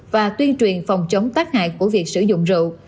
và tuyên truyền phòng chống tác hại của việc sử dụng rượu